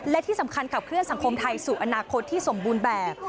และที่สำคัญขับเคลื่อสังคมไทยสู่อนาคตที่สมบูรณ์แบบ